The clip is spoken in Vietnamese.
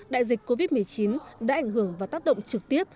đại dịch covid một mươi chín đã ảnh hưởng và tác động trực tiếp